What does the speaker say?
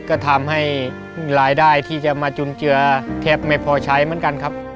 ก็ทำให้รายได้ที่จะมาจุนเจือแทบไม่พอใช้เหมือนกันครับ